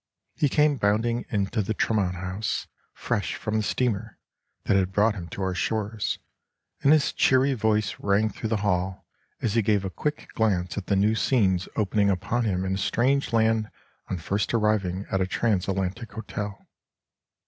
He came bounding into the Tremont House, fresh from the steamer that had brought him to our shores, and his cheery voice rang through the hall, as he gave a quick glance at the new scenes opening upon him in a strange land on first arriving at a Transatlantic hotel.